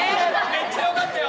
めっちゃよかったよ！